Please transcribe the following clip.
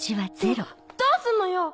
どどうすんのよ？